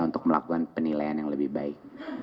untuk melakukan penilaian yang lebih baik